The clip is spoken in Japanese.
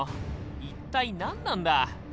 一体何なんだ！